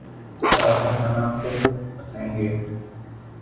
رات کا کھانا خود پکائیں گے